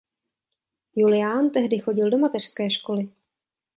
Julian tehdy chodil do mateřské školy.